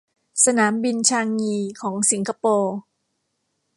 สนามบินชางงีของสิงคโปร์